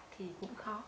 thì cũng khó